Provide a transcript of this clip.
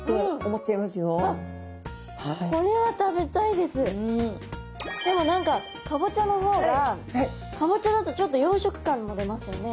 でも何かかぼちゃの方がかぼちゃだとちょっと洋食感も出ますよね。